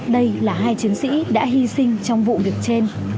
đây là hai chiến sĩ đã hy sinh trong vụ việc trên